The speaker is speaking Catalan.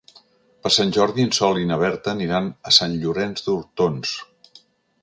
Per Sant Jordi en Sol i na Berta aniran a Sant Llorenç d'Hortons.